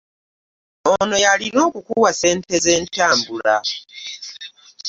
Ono yalina okukuwa ssente z'entambula.